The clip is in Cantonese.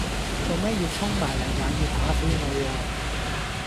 做咩要衝埋嚟話要打死我喎